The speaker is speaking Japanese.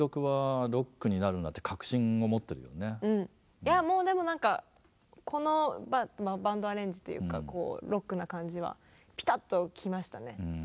いやぁもうでもなんかこのバンド・アレンジというかロックな感じはピタッときましたね。